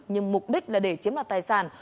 nhưng mục đích là để chiếm lại tài sản